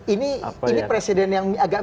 ini presiden yang agak